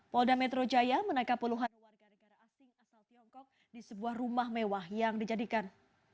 polda metro jaya menangkap puluhan warga negara asing asal tiongkok di sebuah rumah mewah yang dijadikan